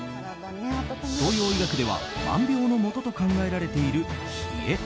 東洋医学では、万病のもとと考えられている冷え。